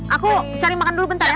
aku cari makan dulu bentar